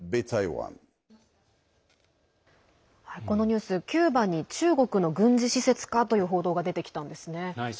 このニュース、キューバに中国の軍事施設かという報道が出てきたんですね。